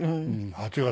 ８月。